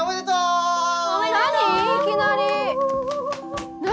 いきなり。何？